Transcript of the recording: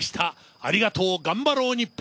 ありがとう＆がんばろう日本！